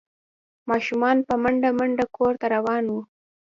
ماشومان په منډه منډه کور ته روان وو۔